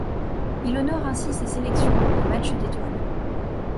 Il honore ainsi sa sélection au match d'étoiles.